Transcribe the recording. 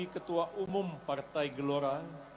ketua umum partai gelora